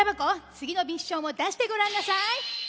つぎのミッションをだしてごらんなさい！